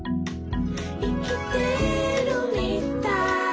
「いきてるみたい」